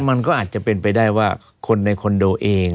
มันก็อาจจะเป็นไปได้ว่าคนในคอนโดเอง